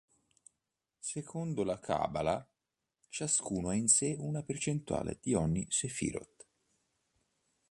Secondo la Cabala, ciascuno ha in sé una percentuale di ogni Sephiroth.